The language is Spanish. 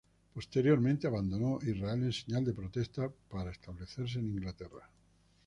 Posteriormente, abandonó Israel en señal de protesta, para establecerse en Inglaterra.